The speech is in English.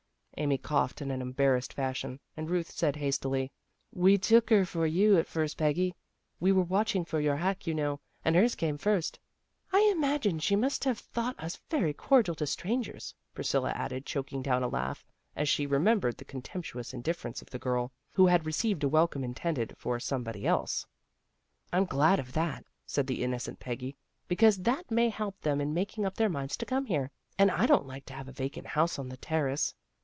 Amy coughed in an embarrassed fashion, and Ruth said hastily, " We took her for you at first, Peggy. We were watching for your hack, you know, and hers came first.' '" I imagine she must have thought us very cordial to strangers," Priscilla added, choking down a laugh, as she remembered the con temptuous indifference of the girl who had received a welcome intended for somebody else. " I'm glad of that," said the innocent Peggy. " Because that may help them in making up their minds to come here. And I don't like to have a vacant house on the Terrace.